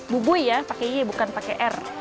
bubui ya pakai y bukan pakai r